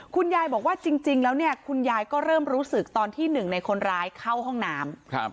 คุณยายบอกว่าจริงแล้วเนี่ยคุณยายก็เริ่มรู้สึกตอนที่หนึ่งในคนร้ายเข้าห้องน้ำ